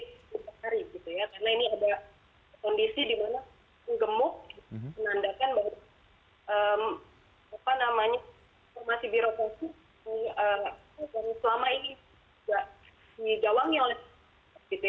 karena ini ada kondisi di mana gemuk menandakan bahwa informasi birokrasi selama ini tidak digawangi oleh kpk